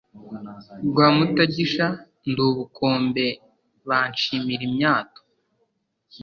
rwa Mutagisha ndi ubukombe banshimira imyato